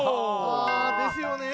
あですよねえ。